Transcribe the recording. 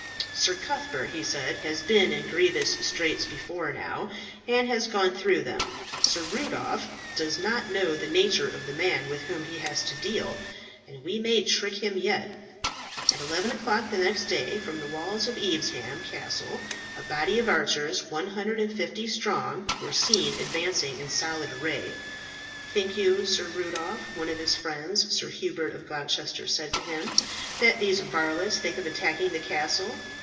"Sir Cuthbert," he said, "has been in grievous straits before now, and has gone through them. Sir Rudolph does not know the nature of the man with whom he has to deal, and we may trick him yet." At eleven o'clock the next day, from the walls of Evesham Castle a body of archers 150 strong were seen advancing in solid array. "Think you, Sir Rudolph," one of his friends, Sir Hubert of Gloucester, said to him, "that these varlets think of attacking the castle?"